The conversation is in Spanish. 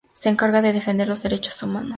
Se encarga de defender los derechos humanos.